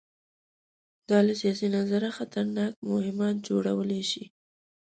دا له سیاسي نظره خطرناک مهمات جوړولی شي.